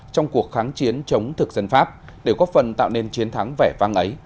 trong cuộc kháng chiến chống thực dân pháp để góp phần tạo nên chiến thắng vẻ vang ấy